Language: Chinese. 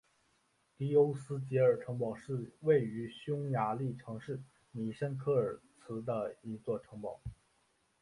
迪欧斯捷尔城堡是位于匈牙利城市米什科尔茨的一座城堡。